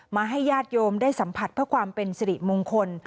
ให้ญาติโยมได้สัมผัสเพื่อความเป็นสิริมงคล